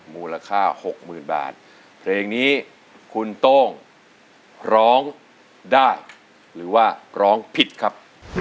มูลค่า๖๐๐๐บาทเพลงนี้คุณโต้งร้องได้หรือว่าร้องผิดครับ